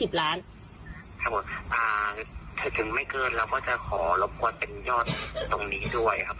ถึงไม่เกินเราก็จะขอรบกวนเป็นยอดตรงนี้ด้วยครับ